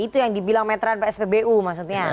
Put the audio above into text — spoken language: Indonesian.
itu yang dibilang meteran dari spbu maksudnya